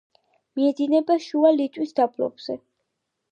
მიედინება შუა ლიტვის დაბლობზე.